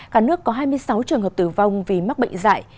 cả nước có hai mươi sáu trường hợp tử vong vì mắc bệnh dạy